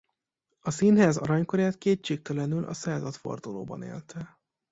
A színház aranykorát kétségtelenül a századfordulóban élte.